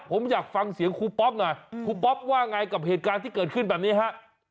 ผมอยากฟังเสียงครูปอ๊อปหน่อยครูป๊อปว่าไงกับเหตุการณ์ที่เกิดขึ้นแบบนี้ฮะ